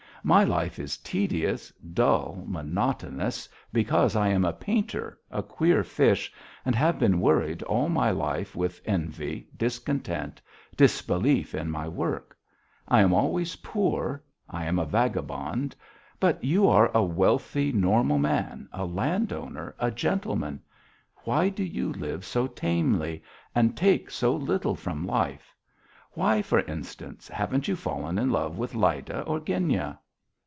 "My life is tedious, dull, monotonous, because I am a painter, a queer fish, and have been worried all my life with envy, discontent, disbelief in my work: I am always poor, I am a vagabond, but you are a wealthy, normal man, a landowner, a gentleman why do you live so tamely and take so little from life? Why, for instance, haven't you fallen in love with Lyda or Genya?"